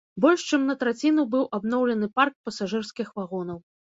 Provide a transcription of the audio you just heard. Больш чым на траціну быў абноўлены парк пасажырскіх вагонаў.